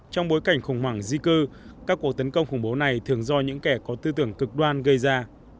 trong bối cảnh khủng hoảng di cư các cuộc tấn công khủng bố này thường do những kẻ có tư tưởng cực đoan gây ra